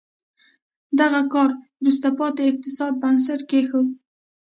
دغه کار وروسته پاتې اقتصاد بنسټ کېښود.